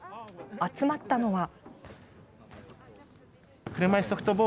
集まったのは。